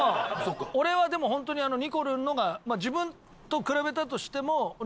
俺はでもホントににこるんのが自分と比べたとしても。